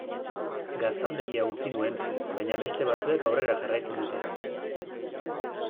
Gaztandegia utzi nuen, baina beste batzuek aurrera jarraitzen dute.